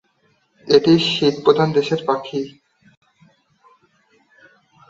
এটি শীত প্রধান দেশের পাখি।